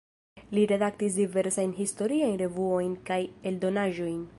Li redaktis diversajn historiajn revuojn kaj eldonaĵojn.